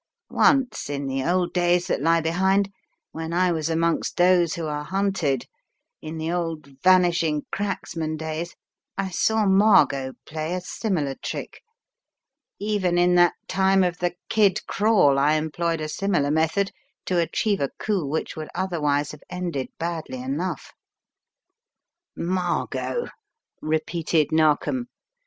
Once, in the old days that lie behind, when I was amongst those who are hunted, in the old ' vanishing cracks man' days, I saw Margot play a similar trick. Even in that time of the 'Kid Crawl/ I employed a similar method to achieve a coup which would otherwise have ended badly enough." "Margot," repeated Narkom.